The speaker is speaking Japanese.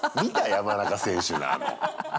山中選手のあの。